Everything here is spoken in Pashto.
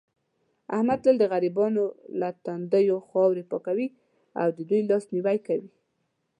احمد تل د غریبانو له تندیو خاورې پاکوي او دې دوی لاس نیوی کوي.